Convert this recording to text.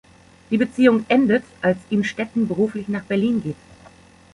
Die Beziehung endet, als Innstetten beruflich nach Berlin geht.